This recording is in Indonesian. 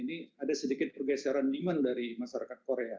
ini ada sedikit pergeseran demand dari masyarakat korea